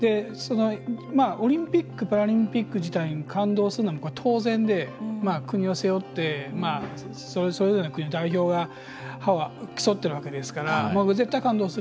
オリンピック・パラリンピック自体に感動するのは当然で国を背負ってそれぞれの国の代表が競ってるわけですから絶対、感動するんです。